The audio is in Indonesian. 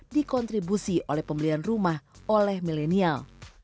dikontribusi oleh pembelian rumah oleh milenial